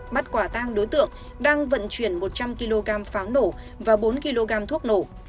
bắt quả tang đối tượng đang vận chuyển một trăm linh kg pháo nổ và bốn kg thuốc nổ